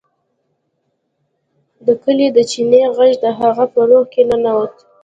د کلي د چینې غږ د هغه په روح کې ننوت